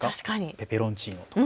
ペペロンチーノとか。